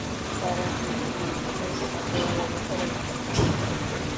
কারণ লিজি, সে তোমাকে ভালোবাসার অভিনয় করতো।